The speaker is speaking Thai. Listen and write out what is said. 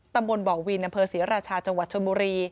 ตำบลบ่อวินดศรีราชาจชม